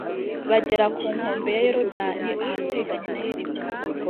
bagera ku nkombe ya yorudani ahateganye na yeriko.